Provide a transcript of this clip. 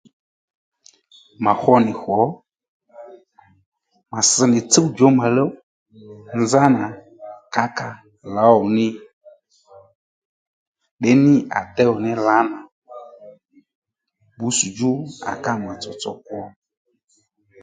Mà hwo nì hwò mà ss nì tsúw djǒmàluw nzánà kǎkà lǒwò ní ndení à déwò ní lǎnà bbǔtss̀djú à ká mà tsotso kwo